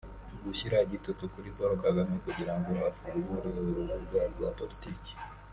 Gushyira igitutu kuri Paul Kagame kugira ngo afungure urubuga rwa politiki